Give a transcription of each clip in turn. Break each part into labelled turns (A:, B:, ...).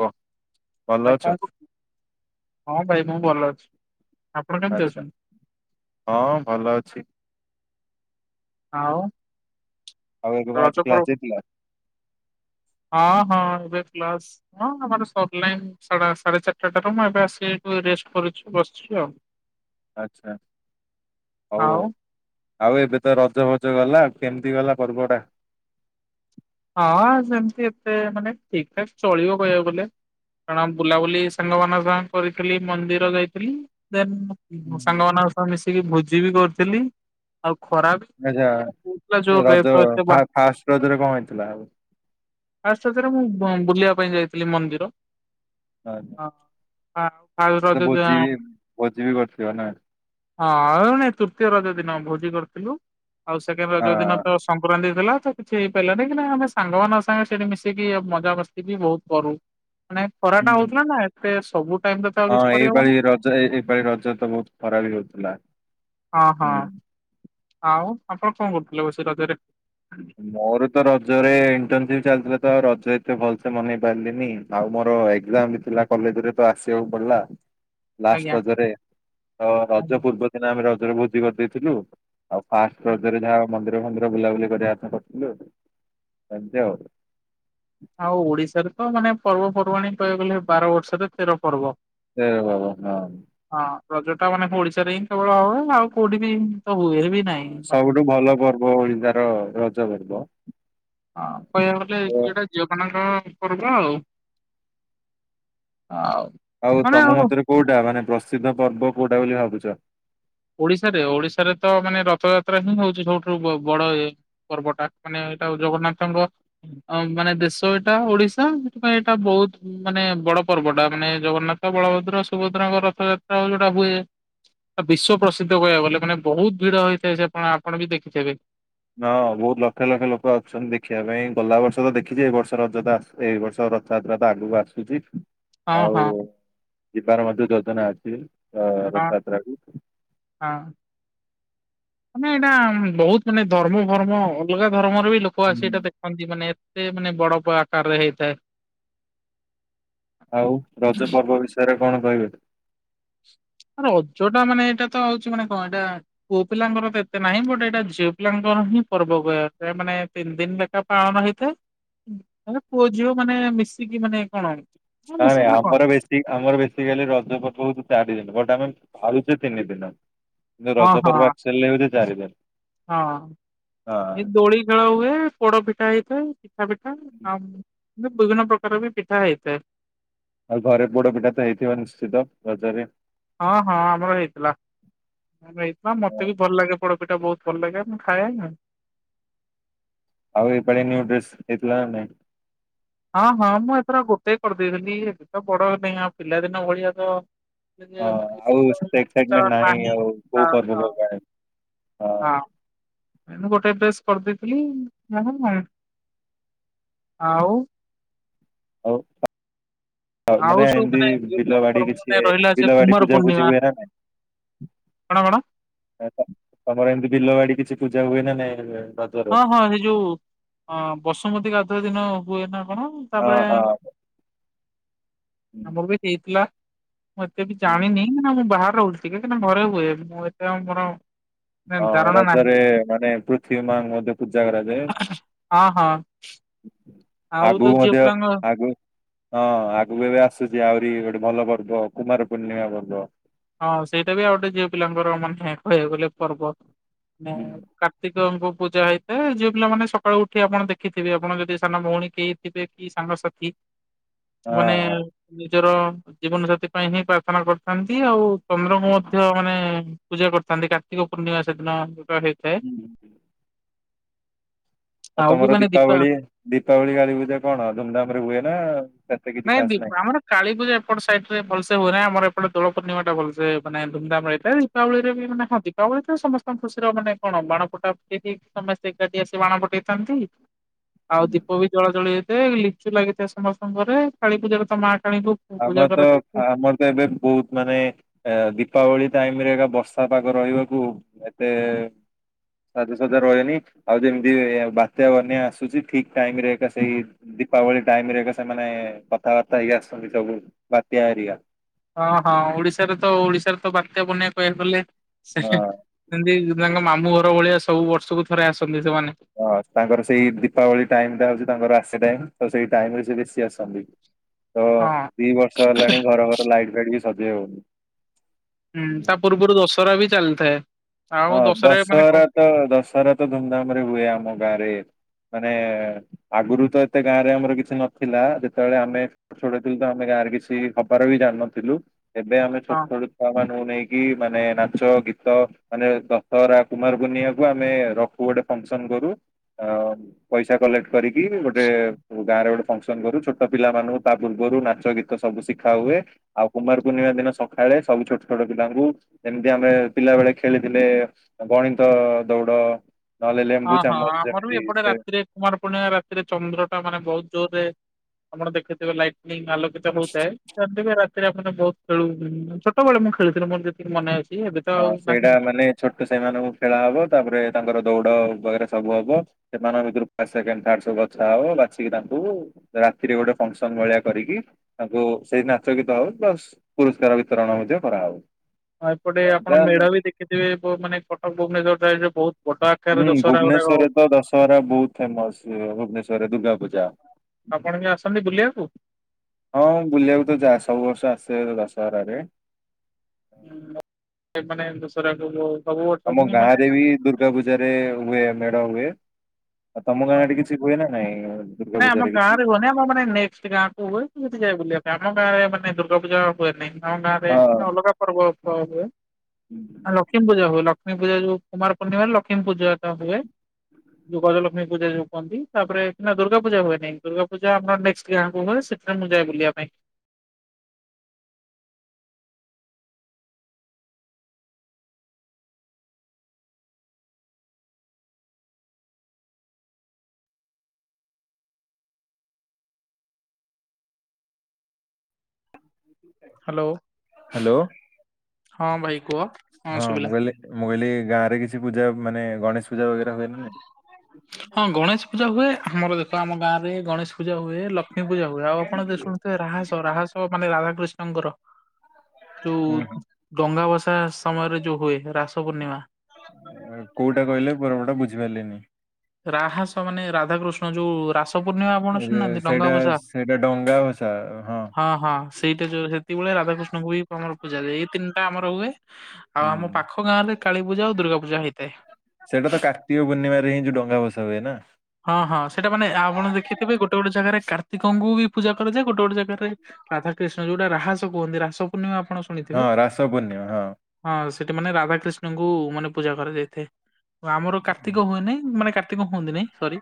A: ହ
B: ଭାଇ କଣ କର ହଁ ଭାଇ ମୁଁ ଭଲ ଅଛି। ଆପଣ କେମିତି
A: ଆଛା
B: ଅଛନ୍ତି?
A: ହଁ ଭଲ ଅଛି।
B: ଆଉ,
A: ଆଉ ଏବେ କଣ ଆଜି
B: ରଜ ପର
A: କ୍ଲାସ ଯାଇଥିଲ?
B: ହଁ ହଁ, ଗ୍ରେଟ ଲଷ୍ଟ ହଁ ଆମ ସକଲାଇନ ସାଢେ ଚାରିଟାଟା ମୁଁ ଏ ଆସି ରେଷ୍ଟ କରୁଚି ବସି ଆଛା,
A: ଆଛା ହଉ ଆଭ
B: ଆଉ
A: ଆଉ ଏବେତ ର ରଜ ଫଜ ଗଲା କେମିତି ଗଲା ପର୍ବଟା?
B: ହଁ ସେମିତି ଏତେ ମାନେ ଠିକ ଠାକ ଚଳିବ କହିବାକୁ ଗଲେ। କାରଣ ବୁଲାବୁଲି ସାଙ୍ଗମାନଙ୍କ ସାଙ୍ଗେ କରିଥିଲି ମନ୍ଦିର ଯାଇଥିଲି।
A: ହୁଁ।
B: ସାଙ୍ଗମାନଙ୍କ ସହ ମିଶିକି ଭୋଜି ବି କରିଥିଲି ଆଉ ଖରା ବି
A: ରଜ
B: ମାନେ ହଉଥିଲା ଯୋଉ ରେଟ
A: ରଜ
B: ଏତେ ବା
A: ଫା ଫା ଫାଷ୍ଟ ରଜରେ କଣ ହେଇ
B: ଫାଷ୍ଟ ରଜରେ ମୁଁ ବୁଲିବା ପାଇଁ ଯାଇଥିଲି ମନ୍ଦିର। ହଁ ଫାଷ୍ଟ
A: ଆଜ୍ଞା
B: ରଜ
A: ଭୋଜିିବି ଭୋଜିିବି କରିଥିବ ନା?
B: ହଁମାନେ ତୃତୀୟ ରଜ ଦିନ ଭୋଜି କରିଥିଲୁ ଆଉ ସେକେଣ୍ଡ ରଜ ଦିନ ତ ସଂକ୍ରାନ୍ତି ଥିଲା। ତ କିଛି ହେଇପାରିଲାନି କିନ୍ତୁ ଆମେ ସାଙ୍ଗମାନଙ୍କ ସାଙ୍ଗେ ସେଠି ମିଶିକି ମଜା ମସ୍ତି ବି ବହୁତ କରୁ। ମାନେ ଖରାଟା
A: ହୁଁ।
B: ହଉଥିଲା ନା ଏତେ ସବୁ ଟାଇମ ରେ ତ ଆଉ କିଛି
A: ହଁ ଏଇପା
B: କରିହବନି
A: ଳି ରଜ ଏଇପାଳି ରଜ ତ ବହୁତ ଖରାବି ହଉଥିଲା।
B: ହଁ ହଁ
A: ହୁଁ
B: ଆଉ ଆପଣ କଣ କରୁଥିଲେ ବସି ରଜରେ।
A: ମୋର ତ ରଜରେ ଇଣ୍ଟରନସିପ ଚାଲିଥିଲା। ତ ରଜ ଏତେ ଭଲସେ ମନେଇ ପାରିଲିନି ଆଉ ମୋର ଏଜାମ ବି ଥିଲା କଲେଜରେ ତ ଆସିବାକୁ ପଡିଲା। ଲାଷ୍ଟ
B: ଆଜ୍ଞା
A: ରଜରେ ତ ରଜ
B: ଆଜ୍ଞା
A: ପୂର୍ବ ଦିନ ଆମେ ରଜରେ ଭୋଜି କରିଦେଇଥିଲୁ ଆଉ ଫାଷ୍ଟ
B: ଆଜ୍ଞା।
A: ରଜରେ ଯାହା ମନ୍ଦିର ଫନ୍ଦିର ବୁଲାବୁଲି କରିବା ସେମିତି ଆଉ
B: ଆଉ ଓଡିଶାରେ ତ ମାନେ ପର୍ବପର୍ବାଣୀ କହିବାକୁ ଗଲେ ବାର ବର୍ଷରେ ତେର ପର୍ବ।
A: ସେଇ ବାବା ହଁ [inaudible]
B: ହଁ ରଜ ଟା ମାନେ ଆମ ଓଡିଶାରେ ହିଁ କେବଳ ହୁଏ ନା ଆଉ କୋଉଠି ବି ତ ହୁଏ ବି ନାହିଁ ମାନେ ହଁ
A: ସବୁଠୁ ଭଲ ପର୍ବ ଓଡିଶାର ରଜ ପର୍ବ।
B: ହଁ କହିବାକୁ ଗଲେ ଯଉଟା ଝିଅମାନଙ୍କ ପର୍ବ ଆଉ। ଆଉ
A: ଆଉ ତମ ମତରେ କୋଉଟା ମାନେ ପ୍ରସିଦ୍ଧ ପର୍ବ କୋଉଟା ବୋଲି ଭାବୁଚ।
B: ଓଡିଶାରେ ଓଡିଶାରେ ତ ମାନେ ରଥଯାତ୍ରା ହିଁ ହଉଛି ସବୁଠୁ ବଡ ଇଏ ପର୍ବଟା ମାନେ ଏଇଟା ଜଗନ୍ନାଥଙ୍କ ମାନେ ଦେଶ ଏଇଟା ଓଡିଶା ସେଥିପାଇଁ ଏଇଟା ବହୁ ବହୁତ ମାନେ ବଡ ପର୍ବଟା ମାନେ ଜଗନ୍ନାଥ ବଳଭଦ୍ର ସୁଭଦ୍ରାଙ୍କ ରଥଯାତ୍ରାଉ ଯୋଉଟା ହୁଏ ବିଶ୍ଵ ପ୍ରସିଦ୍ଧ କହିବାକୁ ଗଲେ ମାନେ ବହୁତ ଭିଡ ହେଇଥାଏ ସେପ ଆପଣ ବି ଦେଖିଥିବେ।
A: ହ ବହୁତ ଲକ୍ଷ ଲକ୍ଷ ଲୋକ ଆସୁଛନ୍ତି ଦେଖିବା ପାଇଁ ଗଲା ବର୍ଷ ତ ଦେଖିଛି ଏଇ ବର୍ଷ ରଜତା ଏଇ ବର୍ଷ ରଥଯାତ୍ରା ତ ଆଗକୁ ଆସୁଛି
B: ହଁ
A: ଆଉ
B: ହଁ
A: ଯିବାର ମଧ୍ୟ ଯୋଜନା ଅଛି। ଅ
B: ହଁ
A: ରଥଯାତ୍ରା କୁ।
B: ହଁ ମାନେ ଏଇଟା ବହୁତ ମାନେ ଧର୍ମ ଧର୍ମ ଅଲଗା ଧର୍ମ ର ବି ଲୋକ ଆସି ଏଇଟା ଦେଖନ୍ତି ମାନେ ଏତେ ମାନେ ବଡ ଆକାରରେ ହେଇଥାଏ।
A: ଆଉ ରଜ ପର୍ବ ବିଷୟରେ କଣ କହିବେ?
B: ଆ ରଜ ଟା ମାନେ ଏଇଟା ତ ହଉଛି ମାନେ କଣ ଏଇଟା ପୁଅ ପିଲାଙ୍କର ତ ଏତେ ନାହିଁ ବଟ ଏଇଟା ଝିଅ ପିଲାଙ୍କର ହିଁ ପର୍ବ [unintelligible] ଗ ମାନେ ତିନି ଦିନ ଲେଖା ପାଳନ ହେଇଥାଏ। [unintelligible] ମାନେ ପୁଅ ଝିଅ ମାନେ ମିଶିକି ମାନେ କଣ। ହଁ
A: ନାଇଁ
B: ମିଶିକି
A: ନାଇଁ
B: ମାନେ କଣ
A: ଆମର ବେଶୀ ଆମର ବେଶୀ କାଲି ରଜ ପର୍ବ ଚାରି ଦିନ ବଟ୍ ଆମେ ପାଳୁଛେ ତିନି ଦିନ
B: ହଁ
A: ରଜ
B: ହଁ
A: ପର୍ବ ଆକ୍ଚୁଆଲି [unintelligible] ଚାରି ଦିନ
B: ହଁ ଏ
A: ହଁ।
B: ଦୋଳି ଖେଳ ହୁଏ ପୋଡ ପିଠା ହେଇଥାଏ। ପିଠା ପିଠା ଆଉ ବିଭିନ୍ନ ପ୍ରକାର ବି ପିଠା ହେଇଥାଏ।
A: ଆଉ ଘରେ ପୋଡ ପିଠା ତ ହେଇଥିବ ନିଶ୍ଚିତ ରଜରେ
B: ହଁ ହଁ ଆମର ହେଇଥିଲା ଆ ହେଇଥିଲା
A: ହଁ,
B: ମତେ ବି ଭଲ ଲାଗେ ପୋଡ ପିଠା ବହୁତ ଭଲ ଲାଗେ ମୁଁ ଖାଏ [unintelligible]
A: ଆଉ ଏ ପାଳି ନ୍ୟୁଡ୍ରେସ ହେଇଥିଲା ନା ନାଇ?
B: ହଁ ହଁ ମୁଁ ଏଥର ଗୋଟେ କରିଦେଇଥିଲି ଏବେ ତ ବଡ ନାଇ ପିଲାଦିନ ଭଳିଆ ତ
A: ହଁ ଆଉ ସେତେ ଏକ୍ସାଇଟମେଣ୍ଟ
B: [unintelligible]
A: ନାହିଁ
B: ନା
A: ଆଉ କୋଉ
B: ହ
A: ପର୍ବ
B: ହ [unintelligible]
A: ପର୍ବାଣି
B: ହଁ ଏ ଗୋଟେ ଡ୍ରେସ୍ କରିଦେଇଥିଲି ଆଉ।
A: ହଉ। ହଉ
B: ଆଉ
A: ମାନେ
B: ସବୁ
A: ଏମତି
B: ଯୋଉ
A: ବିଲବାଡି
B: ପର୍ବ
A: କିଛି
B: ମାନେ ରହିଲା ସେ
A: ବିଲବାଡି
B: କୁମାର
A: ପୂଜା ପୂଜି
B: ପୂର୍ଣ୍ଣିମା
A: ହୁଏ ନା ନାଇ?
B: କଣ କଣ
A: ତମର ଏମତି ବିଲ ବାଡି କିଛି ପୂଜା ହୁଏ ନା ନାଇଁ? ରଜରେ?
B: ହଁ ହଁ ସେଇ ଯୋଉ ଅ ବସୁମତୀ ଗାଧୁଆ ଦିନ ହୁଏ ନା। କଣ
A: ହଁ
B: ତାପରେ ଆମର
A: ହଁ।
B: ବି ହେଇଥିଲା ମୁଁ ଏତେ ବି ଜାଣିନି କ ମୁଁ ବାହାରେ ରହୁଛି କାହିଁକିନା ଘରେ ହୁଏ ମୁଁ ଏତେ ଆଉ ମୋର ନାଇଁ
A: ହଁ
B: ଧାରଣା ନାହିଁ
A: ରଜରେ ମାନେ ପୃଥିବୀ ମା [unintelligible] ମ ପୂଜା କରାଯାଏ
B: ହଁ ହଁ ଆଉ
A: ଆଗକୁ
B: ତ ଝିଅ
A: ମଧ୍ୟ
B: ପିଲାଙ୍କ
A: ଆଗକୁ [unintelligible] ହଁ ଆଗକୁ ଏବେ ଆସୁଛି ଆହୁରି ଗୋଟେ ଭଲ ପର୍ବ କୁମାର ପୂର୍ଣ୍ଣିମା ପର୍ବ
B: ହଁ ସେଇଟା ବି ଆଉ ଗୋଟେ ଝିଅ ପିଲାଙ୍କର ମାନେ କହିବାକୁ ଗଲେ ପର୍ବ
A: ହୁଁ
B: ମାନ କାର୍ତ୍ତିକଙ୍କୁ [unintelligible] ପୂଜା ହେଇଥାଏ ଝିଅ ପିଲାମାନେ ସକାଳୁ ଉଠି ଆପଣ ଦେଖିଥିବେ ଆପଣ ଯଦି ସାନ ଭଉଣୀ କେହି ଥିବେ କି ସାଙ୍ଗସାଥି
A: ହଁ
B: ମାନେ
A: ହଁ
B: ନିଜର ଜୀବନ ସାଥି ପାଇଁ ହିଁ ପ୍ରାର୍ଥନା କରିଥାନ୍ତି ଆଉ ଚନ୍ଦ୍ରଙ୍କୁ ମଧ୍ୟ ମାନେ ପୂଜା କରିଥାନ୍ତି କାର୍ତ୍ତିକ ପୂର୍ଣ୍ଣିମା ସେଦିନ ହେଇଥାଏ
A: ହୁଁ। ଆଉ
B: ବି
A: ତମର
B: ମାନେ ଦୀପା
A: ଦୀପାବଳି ଦୀପାବଳି କାଳି ପୂଜା କଣ ଧୁମଧାମ ରେ ହୁଏ ନା? କିଛି
B: ନାଇଁ
A: ଖାସ ନାହିଁ।
B: ଦୀପ ଆମର କାଳୀପୂଜା ଏପଟ ସାଇଡ ରେ ଭଲସେ ହୁଏନି ଆମର ଏପଟେ ଦୋଳ ପୂର୍ଣ୍ଣିମା ଟା ଭଲସେ ମାନେ ଧୁମ ଧାମ୍ ହେଇଥାଏ ଦୀପାବଳିରେ ବି ମାନ ହଁ ଦୀପାବଳିରେ ସମସ୍ତଙ୍କ ଖୁସିରେ [unintelligible] ମାନେ କଣ ବାଣ ଫଟା ଫଟି ହେଇକି ସମସ୍ତେ ଏକାଠି ଆସି ବାଣ ଫଟେଇଥାନ୍ତି। ଆଉ ଦୀପ ବି ଜଳା ଜଳି ଯାଇଥାଏ ଲିଚୁ ଲାଗିଥାଏ ସମସ୍ତଙ୍କରେ କାଳୀପୂଜାାରେ ତ ମା କାଳୀଙ୍କୁ ପୂଜା
A: ଆମର ତ
B: କରାଯାଇଥାଏ
A: ଆମର ତ ଏବେ ବହୁତ ମାନେ ଦୀପାବଳି ଟାଇମରେ ଏକ ବର୍ଷା ପାଗ ରହିବାକୁ ଏତେ ସାଜସଜା ରହେନି ଆଉ ଯେମିତି ବାତ୍ୟା ବନ୍ୟା ଆସୁଛି ଠିକ ଟାଇମ୍ ରେ ଏକା ସେଇ ଦୀପାବଳି ଟାଇମ୍ ରେ ଏକା ସେମାନେ କଥାବାର୍ତ୍ତା ହେଇକି ଆସୁଛନ୍ତି ସବୁ ବାତ୍ୟା ହେରିକା
B: ହଁ ହଁ ଓଡିଶାରେ ତ ଓଡିଶାରେ ତ ବାତ୍ୟା ବନ୍ୟା କହିବାକୁ ଗଲେ ସେ
A: ହଁ
B: ସେମିତି ତାଙ୍କ ମାମୁଁ ଘର ଭଳିଆ ସବୁ ବର୍ଷକୁ ଥରେ ଆସନ୍ତି ସେମାନେ
A: ହଁ ତାଙ୍କର ସେଇ ଦୀପାବଳି ଟାଇମ ଟା ହଉଛି ତାଙ୍କର ଆସିବା ଟାଇମ ତ ସେଇ ଟାଇମ ରେ ସେ ବେଶୀ ଆସନ୍ତି ତ
B: ହଁ।
A: ଦି ବର୍ଷ ହେଲାଣି ଘର ଘର ଲାଇଟ୍ ଫାଇଟ ବି ସଜେଇ ହଉନି [unintelligible]
B: ହୁଁ ତା ପୂର୍ବରୁ ଦଶହରା ବି ଚାଲିଥାଏ।
A: ହଁ
B: ଆଉ ମାନେ କଣ
A: ଦଶହରା ତ ଦଶହରା ତ ଧୁମଧାମ ରେ ହୁଏ ଆମ ଗାଁରେ ମାନେ ଆଗରୁ ତ ଏତେ ଗାଁ ରେ ଆମର କିଛି ନଥିଲା ଯେତେବେଳେ ଆମେ ଛୋଟ ଥିଲୁ ତ ଆମେ ଗାଁ ରେ କିଛି ହବ। [unintelligible] ବି ଜାଣିନଥିଲୁ ଏବେ ଆମେ ଛୋଟ
B: ହଁ।
A: ଛୋଟ ଛୁଆ ମାନଙ୍କୁ ନେଇକି ମାନେ ନାଚ ଗୀତ ମାନେ ଦଶହରା କୁମାର ପୁନିଆଁକୁ ଆମେ ରଖୁ ଗୋଟେ ଫଙ୍କ୍ ସନ୍ କରୁ। ଅ ପଇସା କଲେକ୍ଟ୍ କରିକି ଗୋଟେ ଗାଁ ରେ ଗୋଟେ ଫଙ୍କସନ କରୁ ଛୋଟ ପିଲା ମାନଙ୍କୁ ତା ପୂର୍ବରୁ ନାଚ ଗୀତ ସବୁ ଶିଖା ହୁଏ ଆଉ କୁମାର ପୂର୍ଣ୍ଣିମା ଦିନ ସକାଳେ ସବୁ ଛୋଟ ଛୋଟ ପିଲାଙ୍କୁ [unintelligible] ଦି ଆମେ ପିଲାବେଳେ ଖେଳିଥିଲେ ଗଣିତ ଦୌଡ ନହେଲେ
B: ହଁ
A: ଲେମ୍ବୁ
B: ହଁ
A: ଚାମଚ
B: ଆମର ବି
A: ଯେମିତି
B: ଏପଟେ
A: ସେ
B: ରାତିରେ କୁମାର ପୂର୍ଣିମା ରାତିରେ ଚନ୍ଦ୍ର ଟା ମାନେ ବହୁତ ଜୋରେ ଆପଣ ଦେଖିଥିବେ ଲାଇଟି ଲି ଆଲୋକଚା ବହୁ ଥାଏ ସେ ରାତିରେ ବହୁତ ଖେଳୁ ଛୋଟବେଳେ ମୁ ଖେଳଥିଲି ଯେତିକି ମନେ ଅଛି ଏବେ ତ
A: ହଁ
B: ଆଉ ନାହିଁ।
A: ସେଇଟା ମାନେ ଛୋଟ ସେଇମାନଙ୍କୁ ଖେଳା ହବ ତାପରେ ତାଙ୍କର ଦୌଡ ସବୁ ହବ ସେମାନଙ୍କ ଭିତରୁ ଫାର୍ଷ୍ଟ ସେକେଣ୍ଡ ଥିର୍ଡ ସବୁହବ ବାଛିିକି ତାଙ୍କୁ ରାତିରେ ଗୋଟେ ଫ୍ୟୁକ୍ସନ ଭଳିଆ କରିକି ତାଙ୍କୁ ସେଇ ନାଚ ଗୀତ ହଉ ବା ସ ପୁରସ୍କାର ବିତରଣ ମଧ୍ୟ କରାହବ
B: ହଁ ଏପଟେ ଆପଣ
A: ଏମିତିଆ
B: ମେଢ ବି ଦେଖିଥିବେ ବୋ ମାନେ କଟକ ଭୁବନେଶ୍ଵର ସାଇରେ ବହୁତ ବଡ ଆକାରରେ
A: ହୁଁ
B: ଦଶହରା ଗୁଡାକ ହଉ
A: ଭୁବନେଶ୍୍ୱରରେ ତ ଦଶହରା ବହୁତ ଫେମସ ଭୁବନେଶ୍୍ୱରରେ ଦୁର୍ଗା ପୂଜା
B: ଆପଣ ବି ଆସନ୍ତି କି
A: ହଁ ମୁଁ ବୁଲିବାକୁ ତ ଯା ସବୁ ବର୍ଷ ଆସେ ଦଶହରାରେ
B: ହଁ ମାନେ ଦସରାକୁ
A: ଆମ ଗାଁ ରେ ବି ଦୁର୍ଗା ପୂଜାରେ ହୁଏ ମେଢ ହୁଏ ଆଉ ତମ ଗାଁଠି କିଛି ହୁଏ ନା ନାଇଁ ଦୁର୍ଗା
B: ନାଇଁ ଆମ
A: ପୂଜାରେ କିଛି?
B: ଗାଁରେ ହୁଉନି ଆମ ମାନେ ନେକ୍ସଟାଁ ଗାଁ କୁ ହୁଏ ମୁଁ ଟିକେ ବୁଲିବାକୁ ଆମ ଗାଁରେ ମାନେ ଦୁର୍ଗ ପୂଜା ହୁଏନି ଆମ ଗାଁ ରେ
A: ହଁ।
B: ଅଲଗା ପର୍ବ ହୁଏ ଲକ୍ଷ୍ମୀ ପୂଜା ହୁଏ ଲକ୍ଷ୍ ଲକ୍ଷ୍ମୀ ପୂଜା ଯୋଉ କୁମାର ପୂର୍ଣିମାରେ ଲକ୍ଷ୍ମୀ ପୂଜାଟା ହୁଏ ଯୋଉ ଗଜଲକ୍ଷ୍ମୀ ପୂଜା ଯୋଉୁକହନ୍ତି ତାପରେ ସେନା ଦୁର୍ଗା ପୁ ପୂଜା ହୁଏନି ଦୁର୍ଗା ପୂଜା ଆମର ନେକ୍ସଟ ଗାଁକୁ ହୁଏ ସେଥିରେ ମୁଁ ଯାଏ ବୁଲିବା ପାଇଁ
A: [unintelligible]
B: ହ୍ୟାଲୋ
A: ହ୍ୟାଲୋ
B: ହଁ ଭାଇ କୁହ।
A: ହଁ ମୁଗାଇିଲ ମୁଗିଲି ଗାଁ ରେ କିଛି ପୂଜା ମାନେ ଗଣେଶ ପୂଜା ବରା ହୁଏନ
B: ହଁ ଗଣେଶ ପୂଜା ହୁଏ ଆମର ଦେଖ ଆମ ଗାଁ ରେ ଗଣେଶ ପୂଜା ପୂଜା ହୁଏ ଲକ୍ଷ୍ମୀ ପୂଜା ହୁଏ ଆଉ ଆପଣ ତା ଶୁନିଥିବେ ଆଉ ରା୍ହସ ରାହସ ମାନେ ରାଧାକୃଷ୍ଣଙ୍କର ଯୋଉ
A: ହୁଁ
B: ଗଙ୍ଗା ବାସା ସମୟରେ ଯୋଉ ହୁଏ ରାସ ପୂର୍ଣ୍ଣିମା।
A: କୋଉଟା କହିଲେ ପରପଟ ବୁଝିପାରିଲିନି
B: ରାହାସ ମାନେ ରାଧାକୃଷ୍ଣ ଯୋଉ ରାସ ସତ ପୂର୍ଣ୍ଣିମା ଆପଣ
A: ଏ ଯେ
B: ଶୁଣୁନାହାନ୍ତି ଡଙ୍ଗା
A: ସେଇଟା
B: ଭସା
A: ସେଇଟା ଡଙ୍ଗା ଭସା
B: ହଁ ହଁ ସେଇଟା ଯୋଉ ସେ ଭଳିଆ ରାଧାକୃଷ୍ଣ ହି ମର ପୂଜାରେ ଇତିନିଟା ଆମର ହୁଏ ଆଉ
A: ହୁଁ।
B: ଆମ ପାଖ ଗାଁରେ କାଳୀ ପୂଜା ଆଉ ଦୁଗାୂ ପୂଜା ହେଇ
A: ସେଇଟା ତ କାର୍ତିକ ପୂର୍ଣିମାରେ ହିଁ ଯୋଉ ଡଙ୍ଗା ହୁଏ ନା
B: ହଁ ହଁ ସେଇଟା ମାନେ ଆପଣ ଦେଖିଥିବେ ଗୋଟେ ଗୋଟେ ଜାଗାରେ କାର୍ତ୍ତିକଙ୍କୁ ବି ପୂଜା କରାଯାଏ ଗୋଟେ ଗୋଟେ ଜାଗାରେ ରାଧା କୃିଷ୍ଣ ଯୋଉଟା ରାସ କୁହନ୍ତି ରାସ ପୂର୍ଣ୍ଣିମା ଆପଣ ଶୁଣିଥିବେ
A: ହଁ ରାସ ପୂର୍ଣ୍ଣିମା ହଁ।
B: ହଁ ସେଠି ମାନେ ରାଧାକ୍ରୃିଷ୍ଣଙ୍କୁ ମାନେ ପୂଜା କରାଯାଇଥାଏ ଆମର କାର୍ତ୍ତିକ ହୁଏ ନାାଇଁ ମାନେ ଏ ହୁହନ୍ତି ନାଇଁ ସରି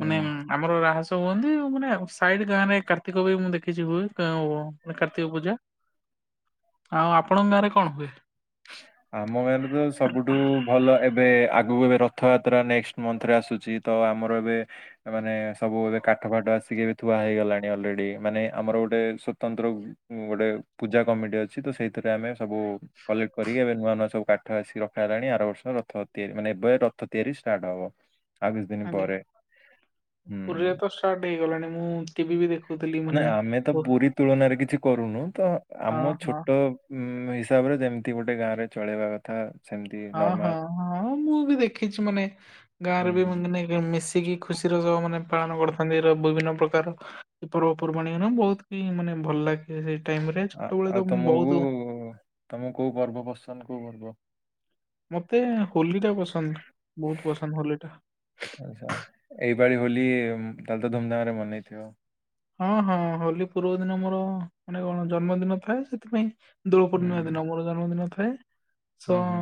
B: ମାନେ ଆମରହସ ହୁନ୍ତି ମାନେ ସାଇଡ ଗାଁରେ କାର୍ତ୍ତିକ ବି ମୁଁ ଦେଖିଛି ହୁଏ କାର୍ତ୍ତିକ ପୂଜା
A: [inaudible]
B: ଆଉ ଆପଣଙ୍କ ଗାଁରେ କଣ ହୁଏ
A: ଆମ ଗାଁରେ ସବୁଠୁ ଭଲ ଏବେ ଆଗକୁ ଏବେ ରଥଯାତ୍ରା ନେକ୍ସ ମନ୍ଥ ରେ ଆସୁଛି ତ ଆମର ଏବେ ମାନେ ସବୁ ଏବେ କାଠ ଫଠ ଆସିକି ଥୁଆ ହେଇଗଲାଣି ଅଲରେଡି ମାନେ ଆମର ଗୋଟେ ସଵତନ୍ତ୍ର ଗୋଟେ ପୂଜା କମିଟି ଅଛି ସେଥିରେ ଆମେ ସବୁ କଲେ ସବୁ କାଠ ଆସିକି ରଖ ହେଲାଣି ଆର ବର୍ଷ ରଥ ତିଆରି ମାନେ ଏବେ ରଥ ତିଆରି ଷ୍ଟାର୍ଟ ହବ ଆଉ କିଛି ଦିନ ପରେ
B: ଆଜଞା ପୁରୀରେ
A: ହୁଁ
B: ତ ଷ୍ଟାର୍ଟ ହେଇଗଲାଣି ମୁଁ ଟିଭି ବି ଦେଖୁ
A: ନା ଆମେ ତ ପୁରୀ ତୁଳନାରେ କିଛି କରୁନୁ ତ
B: ହଁ
A: ଆମ
B: ହଁ।
A: ଛୋଟ ହିସାବରେ ଯେମିତି ଗୋଟେ ଗାଁରେ ଚଳେଇବା କଥା ସେମିତି
B: ହଁ
A: ନର୍ମାଲ
B: ହଁ ହଁ ମୁଁ ବି ଦେଖିଛି ମାନେ ଗାଁରେ
A: ହୁଁ
B: ବି
A: ହୁଁ।
B: ମିଶ ସେତିକି ଖୁସିର ମାନେ ପାଳନ କରିଥାନ୍ତି ବିଭିନ୍ନ ପ୍ରକାର ପର୍ବପର୍ବାଣି ମାନ ବହୁତ କି ମାନେ ଭଲ ଲାଗେ ସେଇ ଟାଇମ ରେ ଛୋଟବେଳେ
A: ଆଉ
B: ତ ମୁଁ
A: ତମକୁ
B: ବହୁତ
A: ତମକୁ କୋଉ ପର୍ବ ପସନ୍ଦ କୋଉ ପର୍ବ?
B: ମତେ ହୋଲି ଟା ପସନ୍ଦ ବହୁତ ପସନ୍ଦ ହୋଲିଟା।
A: ଆଛା ଏଇପାଳି ହୋଲି ତାହଲେ ତ ଧୁମଧାମରେ ମନେଇଥିବ।
B: ହଁ ହଁ ହୋଲି ପୂର୍ବ ଦିନ ମୋର ମାନେ କଣ ଜନ୍ମଦିନ ଥାଏ ସେଥିପାଇଁ ଦ୍ରୌପଦୀମ ଦିନ ଅମର ଜନ୍ମଦିନଥାଏ
A: ଉହୁଁ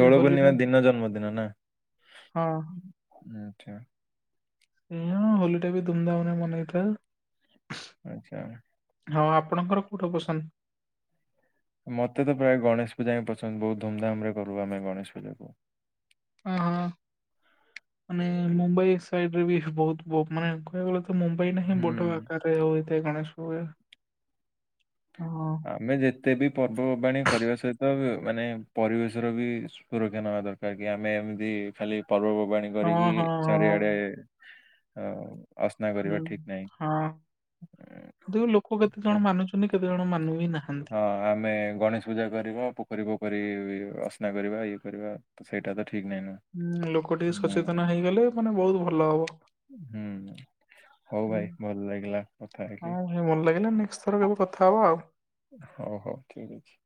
A: ଦୋଳ ପୂର୍ଣ୍ଣିମା ଦିନ ଜନ୍ମଦିନ ନା
B: ହଁ
A: ଆଛା।
B: ଏଇଆ ହୋଲିଟା ବି ଧୁମଧାମରେ ମନେଇଥାଉ।
A: ଆଛା।
B: ହଁ ଆପଣଙ୍କର କୋଉଟା ପସନ୍ଦ?
A: ମତେ ତ ପ୍ରାୟ ଗଣେଶ ପୂଜା ହିଁ ପସନ୍ଦ ବହୁତ ଧୁମଧାମ ରେ କରୁ ଆମେ ଗଣେଶ ପୂଜା
B: ଅ ହଁ ମାନେ ମୁମ୍ବାଇ ପ୍ଲାଇଟରେ ବି ବହୁତ ମାନେ କ ତ ମୁମ୍ବାଇ ନାହିଁ ବୋଡ
A: ହୁଁ
B: ଆକାରରେ ହୋଇଥାଏ ଗଣେଶ ପଜା
A: ଆମେ ଯେ ତେ ବି ପର୍ବପର୍ବାଣୀ କରିବା ସହିତ ମାନେ ପରିବେଶର ବି ସୁରକ୍ଷା ନେବା ଦରକାର କି ଆମେ ଏମିତି ଖାଲି ପର୍ବପର୍ବାଣୀ
B: ହଁ
A: କରିକି
B: ହଁ ହଁ
A: ଚାରିଆଡେ ଅ ଅସ୍ନା
B: ହୁଁ
A: କରିବା ଠିକ ନାହିଁ।
B: ହଁ ଦେଖୁ ଲୋକ କେତେ ଜଣ ମାନୁଛନ୍ତି କେତେ ଜଣ ମାନୁ ବିି ନାହା
A: ହଁ ଆମେ ଗଣେଶ ପୂଜା କର ପୋଖରୀ ପୋଖରୀ ଅସ୍ନା କରିବା ଇଏ କରିବା ତ ସେଇଟା ତ ଠିକ ନାହିଁ ନା।
B: ହଁ ଲୋକ ଟିକ
A: ହୁଁ
B: ସଚେତନ ହେଇଗଲେ ମାନେ ବହୁତ ଭଲ ହବ।
A: ହୁଁ ହଉ ଭାଇ ଭଲ ଲାଗିଲା କଥା ହେଇକି
B: ହୁଁ ସେ ଭଲ ଲାଗିଲା ନେକ୍ସଟ ଥର କେବେ କଥା ଥା ହବା ଆଉ
A: ହୋଉ ହୋଉ ଠିକ ଅଛି।